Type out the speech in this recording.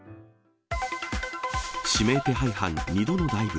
指名手配犯、２度のダイブ。